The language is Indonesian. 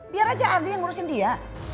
biar aja ab yang ngurusin dia